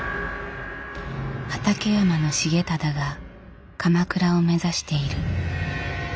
畠山重忠が鎌倉を目指している。